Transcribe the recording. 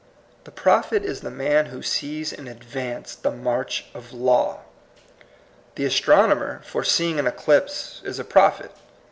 The prophet is the man who sees in advance the march of law. The astronomer foreseeing an eclipse is a prophet.